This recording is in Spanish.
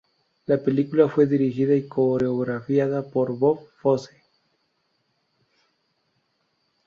La película fue dirigida y coreografiada por Bob Fosse.